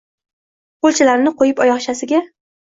Qo’lchalarini qo’yib oyoqchasiga